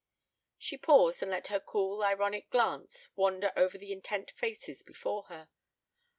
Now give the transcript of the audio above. She paused and let her cool ironic glance wander over the intent faces before her.